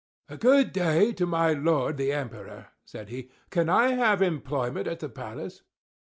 "Good day to my lord, the Emperor!" said he. "Can I have employment at the palace?"